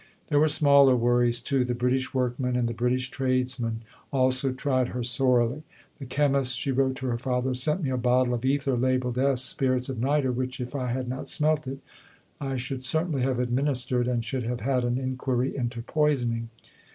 There were smaller worries too. The British workman, and the British tradesman also, tried her sorely. "The chemists," she wrote to her father, "sent me a bottle of ether labelled S. spirits of nitre, which, if I had not smelt it, I should certainly have administered, and should have had an inquiry into poisoning.